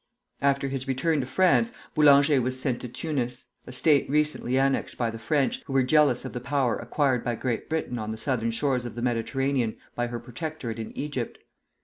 After his return to France, Boulanger was sent to Tunis, a State recently annexed by the French, who were jealous of the power acquired by Great Britain on the southern shores of the Mediterranean by her protectorate in Egypt.